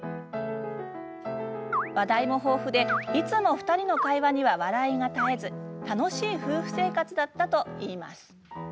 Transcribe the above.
話題も豊富で、いつも２人の会話には笑いが絶えず楽しい夫婦生活だったといいます。